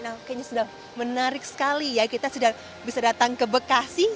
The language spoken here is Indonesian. nah kayaknya sudah menarik sekali ya kita sudah bisa datang ke bekasi